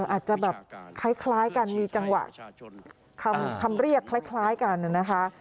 อาจจะแบบคล้ายกันมีจังหวะคำเรียกคล้ายกันนะคะ